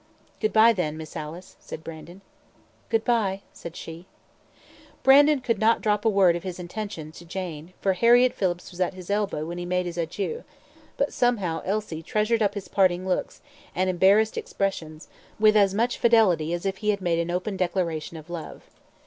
"Goodbye, then, Miss Alice," said Brandon. "Goodbye," said she. Brandon could not drop a word of his intention to Jane, for Harriett Phillips was at his elbow when he made his adieu; but somehow Elsie treasured up his parting looks, and embarrassed expressions, with as much fidelity as if he had made an open declaration of love.